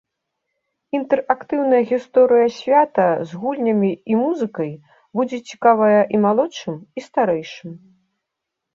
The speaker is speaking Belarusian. Інтэрактыўная гісторыя свята з гульнямі і музыкай будзе цікавая і малодшым, і старэйшым.